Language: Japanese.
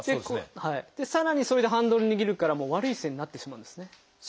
さらにそれでハンドル握るから悪い姿勢になってしまうんですね。